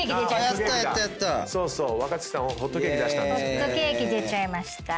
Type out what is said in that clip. ホットケーキ出ちゃいました。